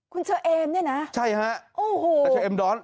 คุณเชอเอมเนี่ยนะโอ้โหใช่ฮะแต่เชอเอมด้อน